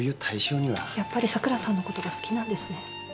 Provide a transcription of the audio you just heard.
やっぱり桜さんのことが好きなんですね？